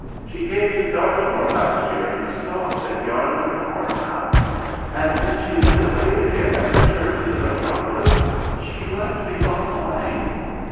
She came to Dartmoor last year and stopped at yonder farmhouse. And when she went away again and returned to the metropolis, she left me behind.